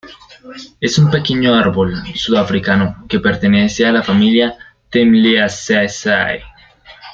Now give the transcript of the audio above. Es un pequeño árbol sudafricano que pertenece a la familia Thymelaeaceae.